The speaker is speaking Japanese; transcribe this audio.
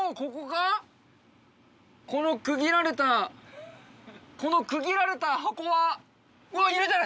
この区切られたこの区切られた箱は。